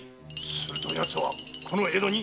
すると奴はこの江戸に？